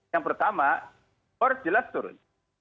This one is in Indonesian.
yang pertama pers jelas turun